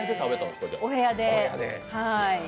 お部屋で。